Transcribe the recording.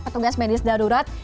petugas medis darurat